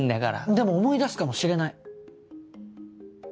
でも思い出すかもしれない。